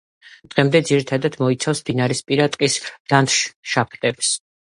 დღემდე ძირითადად მოიცავს მდინარისპირა ტყის ლანდშაფტებს.